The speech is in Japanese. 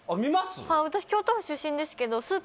私京都府出身ですけどあっ